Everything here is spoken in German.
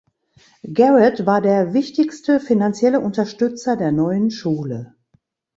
Garrett war der wichtigste finanzielle Unterstützer der neuen Schule.